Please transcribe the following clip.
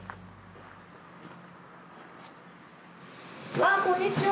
わあこんにちは